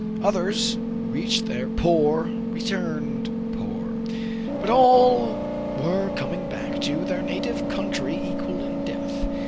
Others, who reached there poor, re turned poor. But all were coming back to their native country equal in death.